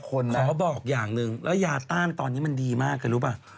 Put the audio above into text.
ขอบอกอย่างหนึ่งแล้วยาต้านตอนนี้มันดีมากคือรู้ป่ะ